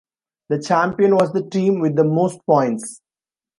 The champion was the team with the most points.